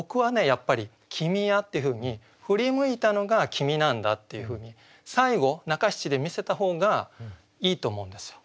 やっぱり「君や」っていうふうに振り向いたのが君なんだっていうふうに最後中七で見せた方がいいと思うんですよ。